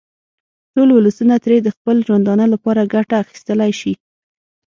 ټول ولسونه ترې د خپل ژوندانه لپاره ګټه اخیستلای شي.